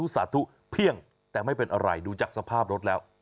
สาธุเพียงแต่ไม่เป็นอะไรดูจากสภาพรถแล้ว